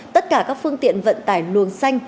tất cả các phương tiện vận tải luồng xanh